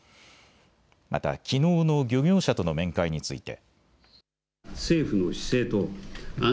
また、きのうの漁業者との面会について。